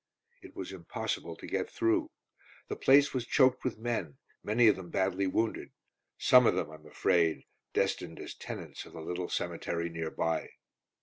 It was impossible to get through. The place was choked with men, many of them badly wounded; some of them, I'm afraid, destined as tenants of the little cemetery near by.